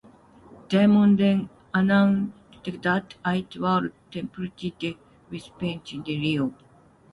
Diamond then announced that it would temporarily delay shipment of the Rio.